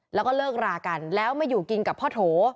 แล้วก็เลิกรากันแล้วมาอยู่กินกับพ่อโถ